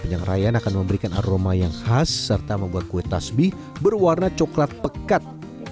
dan akan memberikan aroma yang khas serta membuat kue tasbih berwarna coklat pekat